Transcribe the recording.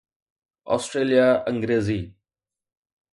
Australia Angrezi